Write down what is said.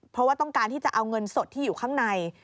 เพราะว่าต้องการที่จะเอาเงินสดที่อยู่ข้างใน